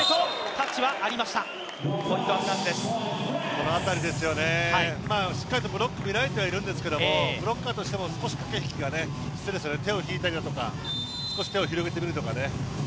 この辺り、しっかりとブロックを見られてはいるんですけれども、ブロッカーとしても少し駆け引きがね、手を引いたりだとか少し手を広げてみるとかね。